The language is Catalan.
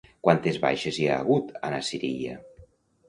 Quantes baixes hi ha hagut a Nasiriya?